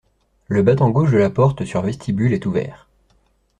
Le battant gauche de la porte sur vestibule est ouvert.